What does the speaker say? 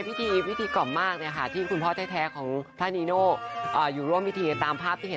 ไปที่จังหวัดพระนครศรีายุทยาค่ะ